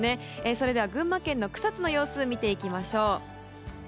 それでは群馬県の草津の様子を見ていきましょう。